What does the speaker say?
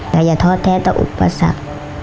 อย่าทอดแท้ต่ออุปสรรค